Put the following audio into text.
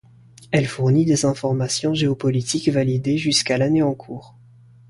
Elle fournit des informations géopolitiques validées jusqu’à l’année en cours.